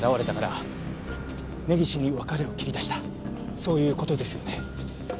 そういう事ですよね？だろうな。